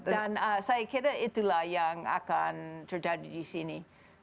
dan saya kira itulah yang akan terjadi di sini